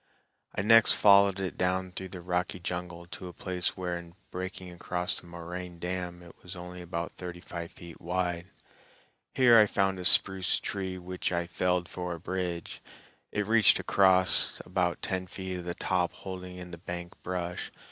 I next followed it down through the rocky jungle to a place where in breaking across the moraine dam it was only about thirty five feet wide. Here I found a spruce tree which I felled for a bridge; it reached across, about ten feet of the top holding in the bank brush.